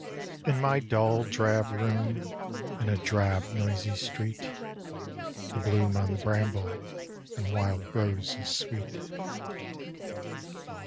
In my dull, drab room, in a drab, noisy street, The bloom on the bramble and wild rose is sweet.